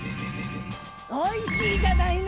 おいしいじゃないの！